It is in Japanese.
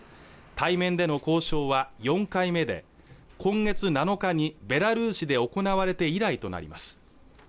対面での交渉は４回目で今月７日にベラルーシで行われて以来となります